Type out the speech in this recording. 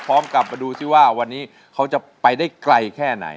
กลับมาดูสิว่าวันนี้เขาจะไปได้ไกลแค่ไหน